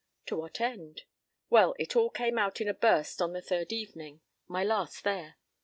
To what end? Well, it all came out in a burst on the third evening, my last there.